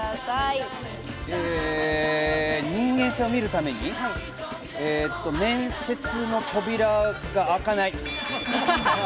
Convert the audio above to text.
人間性を見るために、面接の扉が開かない。